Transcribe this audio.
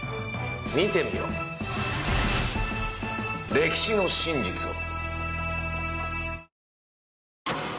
見てみよう歴史の真実を。